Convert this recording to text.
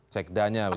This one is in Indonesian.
cek danya begitu ya